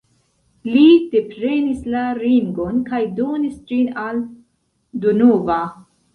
Li deprenis la ringon kaj donis ĝin al Donova.